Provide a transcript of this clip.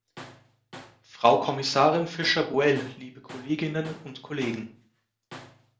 Frau Kommissarin Fischer-Boel, liebe Kolleginnen und Kollegen!